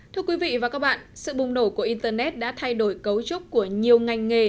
thưa quý vị và các bạn sự bùng nổ của internet đã thay đổi cấu trúc của nhiều ngành nghề